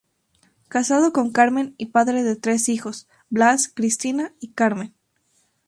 Casado con Carmen, y padre de tres hijos: Blas, Cristina y Carmen.